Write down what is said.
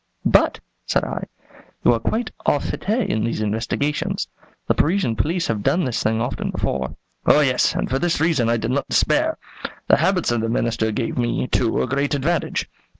"But," said I, "you are quite au fait in these investigations. The Parisian police have done this thing often before." "Oh, yes; and for this reason I did not despair. The habits of the Minister gave me, too, a great advantage.